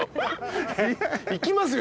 行きますよ